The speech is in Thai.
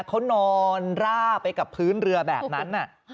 เขานอนร่าไปกับพื้นเรือแบบนั้น